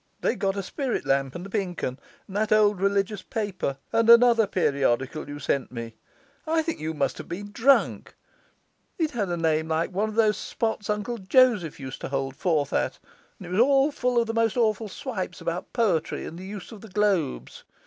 They got a spirit lamp and the Pink Un, and that old religious paper, and another periodical you sent me. I think you must have been drunk it had a name like one of those spots that Uncle Joseph used to hold forth at, and it was all full of the most awful swipes about poetry and the use of the globes.